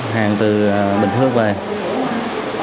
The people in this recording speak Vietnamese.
hàng từ bình phước